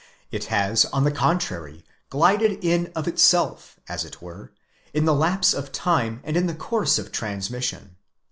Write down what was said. It has on the contrary glided in of itself, as it were, in the lapse of time and in the course of transmission.